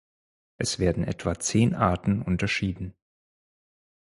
Es werden etwa zehn Arten unterschieden.